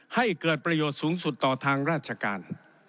ให้เกิดประโยชน์สูงสุดต่อทางราชการ